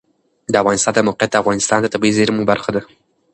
د افغانستان د موقعیت د افغانستان د طبیعي زیرمو برخه ده.